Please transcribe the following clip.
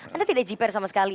anda tidak jiper sama sekali